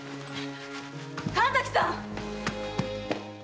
神崎さん！